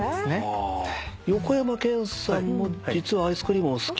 横山剣さんも実はアイスクリームはお好き。